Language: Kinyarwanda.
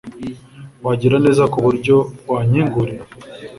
wagira neza kuburyo wankingurira?